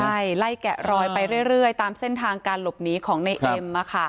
ใช่ไล่แกะรอยไปเรื่อยตามเส้นทางการหลบหนีของในเอ็ม